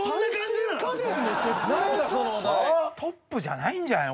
トップじゃないんじゃないの？